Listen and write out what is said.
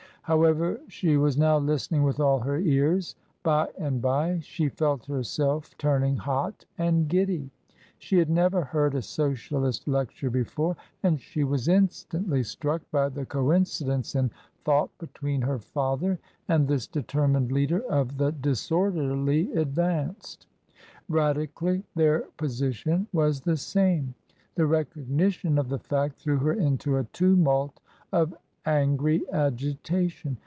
However, she was now listening with all her ears. By and bye she felt herself turning hot and giddy. She had never heard a Socialist lecture before, and she was instantly struck by the coincidence in thought between her father and this determined leader of the disorderly advanced. Radically, their position was the same. The recognition of the fact threw her into a tumult of angry agitation.